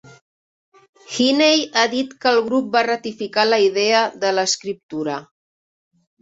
Heaney ha dit que el grup va ratificar la idea de l'escriptura.